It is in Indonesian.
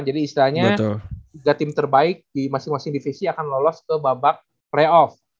jadi istilahnya tiga tim terbaik di masing masing divisi akan lolos ke babak playoff